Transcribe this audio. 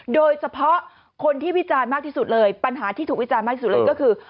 โดยเฉพาะคนที่วิจารณ์มากที่สุดเลยปัญหาที่ถูกวิจารณ์มากที่สุดเลยก็คือ